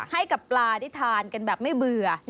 ให้กับปลาได้ทานกันแบบไม่เบื่อ